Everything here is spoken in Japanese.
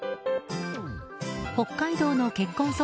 北海道の結婚